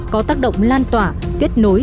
có tác động lan tỏa kết nối